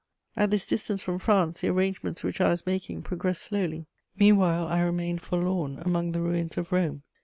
At this distance from France, the arrangements which I was making progressed slowly; meanwhile I remained forlorn among the ruins of Rome.